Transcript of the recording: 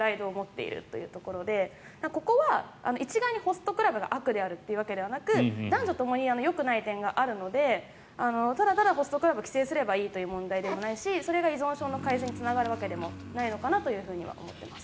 ここは一概にホストクラブが悪であるというわけではなく男女ともによくない点があるのでただただホストクラブ規制すればいいという問題でもないしそれが依存症の改善につながるわけでもないのかなと思います。